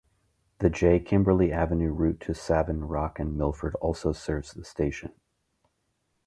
The J Kimberly Avenue route to Savin Rock and Milford also serves the station.